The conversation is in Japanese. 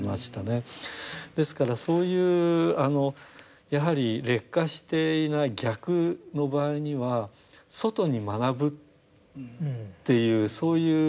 ですからそういうやはり劣化していない逆の場合には外に学ぶっていうそういうことができるんですよ。